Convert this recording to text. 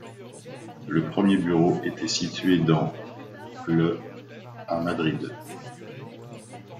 Le premier bureau était situé dans le à Madrid.